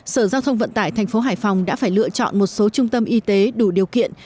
sở giao thông vận tải thành phố hải phòng đã phải lựa chọn một số trung tâm y tế đủ điều kiện